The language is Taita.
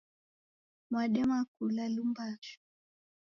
Mwadema kula lumbashu